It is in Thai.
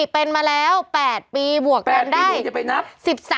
เป็นมาแล้ว๘ปีบวกกันได้